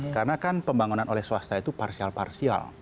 karena kan pembangunan oleh swasta itu parsial parsial